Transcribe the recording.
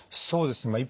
そうですね。